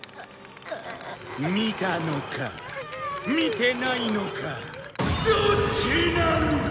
見たのか見てないのかどっちなんだ！？